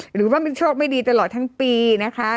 หรือว่ามันโชคไม่ดีตลอดทั้งปีนะคะ